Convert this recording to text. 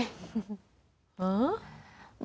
เหรอ